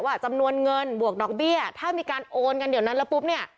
จำนวนเงินบวกดอกเบี้ยถ้ามีการโอนกันเดี๋ยวนั้นแล้วปุ๊บเนี่ย